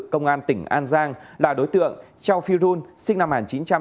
công an tỉnh an giang là đối tượng châu phi run sinh năm một nghìn chín trăm tám mươi